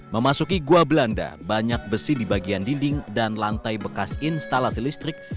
memasuki gua belanda banyak besi di bagian dinding dan lantai bekas instalasi listrik